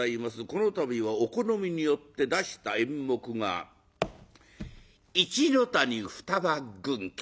この度はお好みによって出した演目が「一谷嫩軍記」。